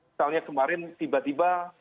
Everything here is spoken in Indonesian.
misalnya kemarin tiba tiba